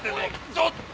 ちょっと！